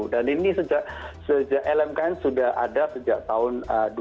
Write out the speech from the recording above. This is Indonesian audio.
dan ini lmkn sudah ada sejak tahun dua ribu